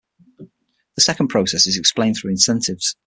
The second process is explained through incentives.